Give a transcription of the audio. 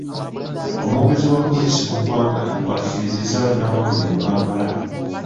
Omwogezi wa poliisi mu ggwanga bwategeezezza bannamawulire mu Kampala.